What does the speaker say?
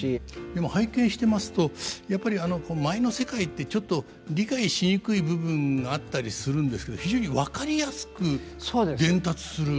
でも拝見してますとやっぱり舞の世界ってちょっと理解しにくい部分があったりするんですけど非常に分かりやすく伝達する。